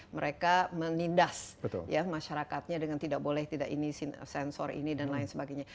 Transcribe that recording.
mereka menindas masyarakatnya dengan tidak boleh tidak ini sensor ini dan lain sebagainya